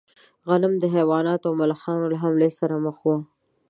غنم د حیواناتو او ملخانو له حملې سره مخ و.